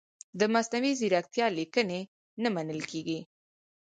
د مصنوعي ځیرکتیا لیکنې نه منل کیږي.